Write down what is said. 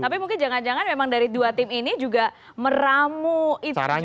tapi mungkin jangan jangan memang dari dua tim ini juga meramu itu